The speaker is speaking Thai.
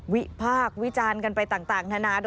วิพากษ์วิจารณ์กันไปต่างนานา